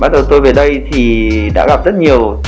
bắt đầu tôi về đây thì đã gặp rất nhiều